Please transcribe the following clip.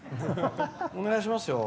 お願いしますよ。